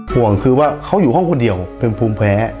ห่วงคือว่าเขาอยู่ห้องคนเดียวเป็นภูมิแพ้